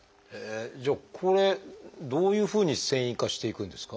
じゃあこれどういうふうに線維化していくんですか？